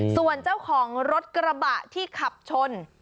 ส่วนเจ้าของรถกระบะที่ขับชน